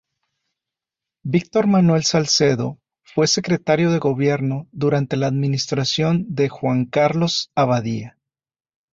Víctor Manuel Salcedo fue secretario de Gobierno durante la administración de Juan Carlos Abadía.